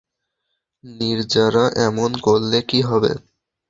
নির্জারা, এমন করলে কি হবে?